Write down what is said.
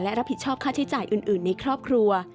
และรับผิดชอบค่าใช้จ่ายอื่นในครอบครัว